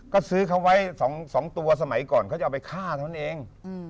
ก็ซื้อเขาไว้๒ตัวสมัยก่อนเขาจะเอาไปฆ่าเท่านั้นเอง